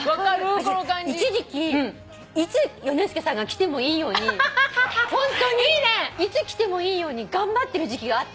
私一時期いつヨネスケさんが来てもいいようにホントにいつ来てもいいように頑張ってる時期があった。